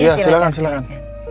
iya silahkan silahkan